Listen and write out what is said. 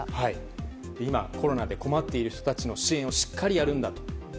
今、コロナで困っている人たちの支援をしっかりやるんだと。